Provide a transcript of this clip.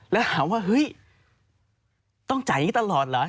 แล้วถามว่าเฮ้ยต้องจ่ายอย่างนี้ตลอดเหรอ